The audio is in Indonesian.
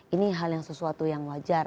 ini hal yang sesuatu yang wajar